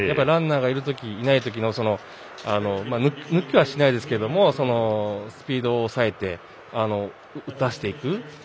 ランナーがいるときいないときの抜きはしないですけれどもスピードを抑えて打たせていくと。